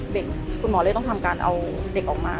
คุณหมอเลยต้องทำการเอาเด็กออกมา